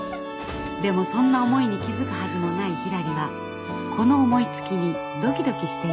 でもそんな思いに気付くはずもないひらりはこの思いつきにドキドキしていました。